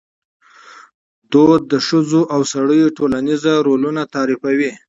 فرهنګ د ښځو او سړیو ټولنیز رولونه تعریفوي.